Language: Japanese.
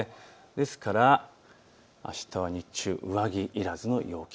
ですからあしたは日中、上着いらずの陽気。